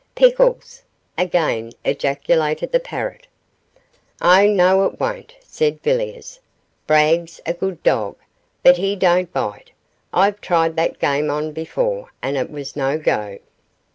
'Pickles!' again ejaculated the parrot. 'Oh, no, it won't,' said Villiers; 'Brag's a good dog, but he don't bite. I've tried that game on before, and it was no go.